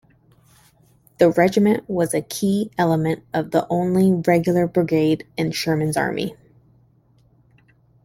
The regiment was a key element of the only regular brigade in Sherman's Army.